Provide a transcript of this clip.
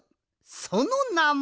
そのなも。